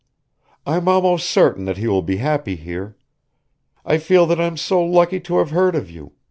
"I'm almost certain that he will be happy here. I feel that I'm so lucky to have heard of you.